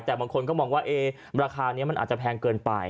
แต่บางคนก็มองว่าราคานี้มันอาจจะแพงเกินไป